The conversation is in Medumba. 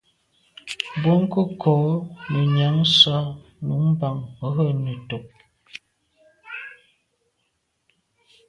Bwɔ́ŋkə́ʼ kɔ̌ nə̀ nyǎŋsá nú mbàŋ rə̌ nə̀tùp.